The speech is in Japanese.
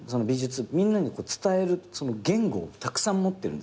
みんなに伝える言語をたくさん持ってるんです。